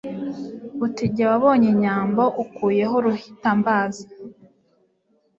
Uti jye wabonye inyambo, Ukuyeho Uruhitambazi,